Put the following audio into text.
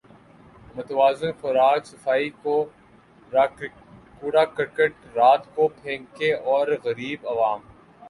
متوازن خوراک صفائی کوڑا کرکٹ رات کو پھینکیں اور غریب عوام